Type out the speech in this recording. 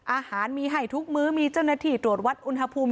อาหารมีให้ทุกมื้อมีเจ้าหน้าที่ตรวจวัดอุณหภูมิ